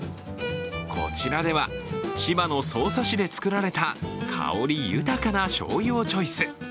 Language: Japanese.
こちらでは千葉の匝瑳市で作られた香り豊かなしょうゆをチョイス。